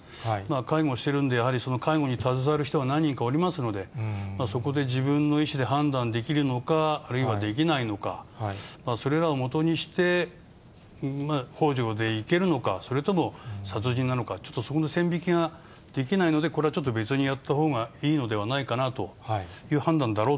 介護してるんで、やはり介護に携わる人が何人かおりますので、そこで自分の意思で判断できるのか、あるいはできないのか、それらをもとにして、ほう助でいけるのか、それとも殺人なのか、ちょっとそこの線引きができないので、これはちょっと別にやったほうがいいのではないかなという判断だ